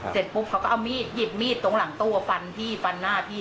เสร็จปุ๊บเขาก็เอามีดหยิบมีดตรงหลังตู้ฟันพี่ฟันหน้าพี่